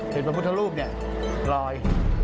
เห็นบุรุษธรูปแล้วลอย